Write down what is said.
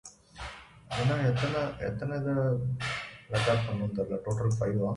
He, Pokagon, and Shavehead were the principal sub-chiefs under Topinabee.